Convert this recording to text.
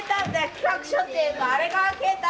企画書っていうかあれ書けた！